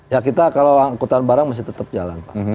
ya kita kalau angkutan barang masih tetap jalan pak